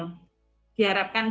untuk juga kewirausahaan